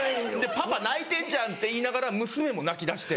「パパ泣いてんじゃん」って言いながら娘も泣きだして。